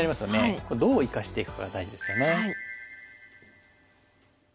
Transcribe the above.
これどう生かしていくかが大事ですよね。